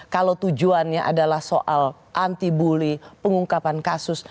kalau tujuannya adalah soal antibully pengungkapan kasus